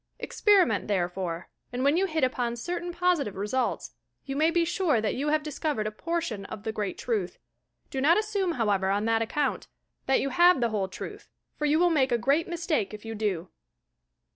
Experiment there fore ; and when you hit upon certain positive results, you may be sure that you have discovered a portion of the Great Truth. Do not assume, however, on that account, that you have the Whole Truth for you will make a great mistake if you do.